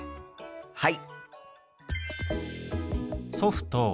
はい！